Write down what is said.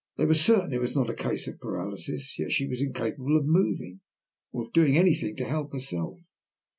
They were certain it was not a case of paralysis, yet she was incapable of moving, or of doing anything to help herself.